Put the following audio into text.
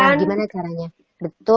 nah gimana caranya betul